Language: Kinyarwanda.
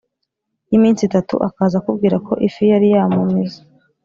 Yiminsi itatu akaza akubwira ko ifi yari yaramumize